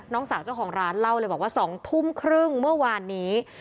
น้องสาวเจ้าของร้านเล่าเลยบอกว่า๒ทุ่มครึ่งเมื่อวานนี้